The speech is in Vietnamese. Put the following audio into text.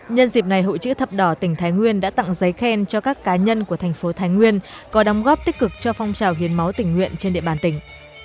nhân dịp này hội chữ thập đỏ tỉnh thái nguyên đã tặng giấy khen cho các cá nhân của thành phố thái nguyên có đóng góp tích cực cho phong trào hiến máu tỉnh nguyện trên địa bàn tỉnh